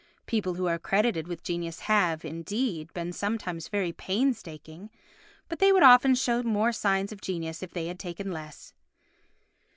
People who are credited with genius have, indeed, been sometimes very painstaking, but they would often show more signs of genius if they had taken less.